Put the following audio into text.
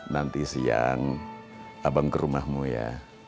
nanti siang abang ke rumahmu ya